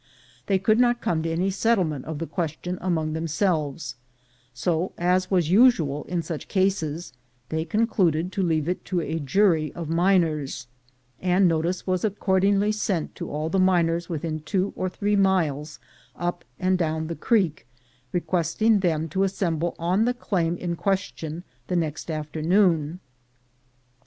They could not come to any settlement of the question among themselves; so, as was usual in such cases, they concluded to leave it to a jury of miners; and notice was accordingly sent to all the miners within two or three miles up and down the creek, requesting them to assemble on the claim in question the next afternoon.